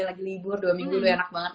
lagi libur dua minggu enak banget